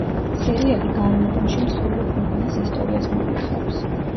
სერიალი გარეუბანში მცხოვრებ გოგონას ისტორიას მოგვითხრობს.